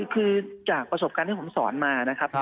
คือจากประสบการณ์ที่ผมสอนมานะครับ